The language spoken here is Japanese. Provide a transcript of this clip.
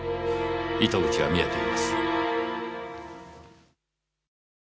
糸口は見えています。